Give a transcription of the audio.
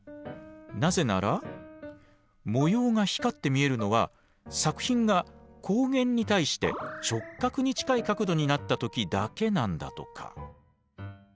なぜなら模様が光って見えるのは作品が光源に対して直角に近い角度になった時だけなんだとか。